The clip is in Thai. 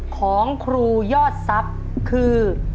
ของครูยอดทรัพย์คือ